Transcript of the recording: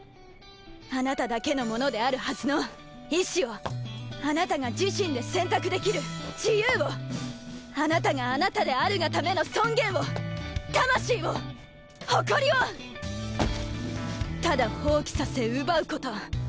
あなただけのものであるはずの意思をあなたが自身で選択できる自由をあなたがあなたであるがための尊厳を魂を誇りをただ放棄させ奪うこと。